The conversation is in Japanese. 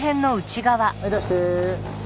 はい出して。